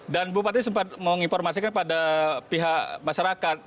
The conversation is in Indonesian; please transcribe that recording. dan bupati sempat menginformasikan pada pihak masyarakat